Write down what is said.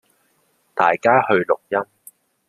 大家去錄音